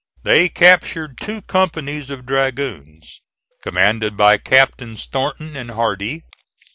They captured two companies of dragoons, commanded by Captains Thornton and Hardee.